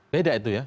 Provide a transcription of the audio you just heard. beda itu ya